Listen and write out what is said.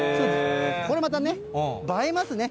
これまたね、映えますね。